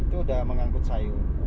sudah mengangkut sayur